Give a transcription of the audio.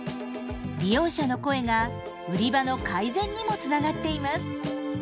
利用者の声が売り場の改善にもつながっています。